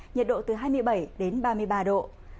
nhiệt độ từ hai mươi bảy đến ba mươi ba độ